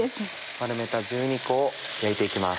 丸めた１２個を焼いて行きます。